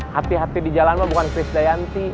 hati hati di jalan lo bukan chris dayanti